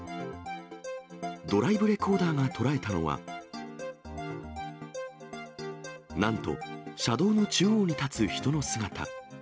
ドライブレコーダーが捉えたのは、なんと、車道の中央に立つ人の姿。